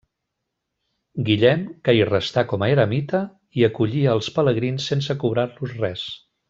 Guillem, que hi restà com a eremita, hi acollia els pelegrins sense cobrar-los res.